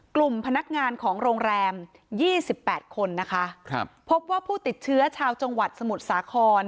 กลุ่มพนักงานของโรงแรม๒๘คนนะคะพบว่าผู้ติดเชื้อชาวจังหวัดสมุทรสาคร